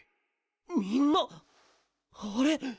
みんなあれ？